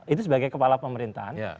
itu sebagai kepala pemerintahan